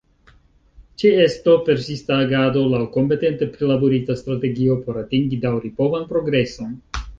Ĉeesto, persista agado laŭ kompetente prilaborita strategio por atingi daŭripovan progreson.